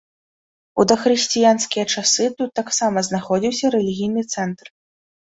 У дахрысціянскія часы тут таксама знаходзіўся рэлігійны цэнтр.